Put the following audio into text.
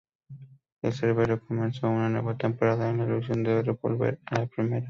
El Cervecero comenzó una nueva temporada con la ilusión de volver a Primera.